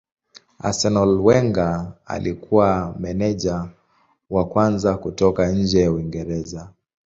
Arsenal Wenger alikuwa meneja wa kwanza kutoka nje ya Uingereza.